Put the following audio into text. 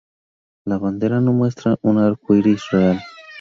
La bandera no muestra un arcoíris real.